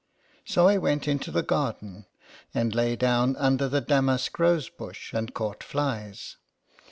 29 so I went into the garden, and lay down under the damask rose bush, and caught flies.